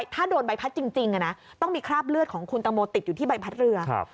ถ้าโดนใบพัดจริงต้องมีคราบเลือดของคุณตังโมติดอยู่ที่ใบพัดเรือ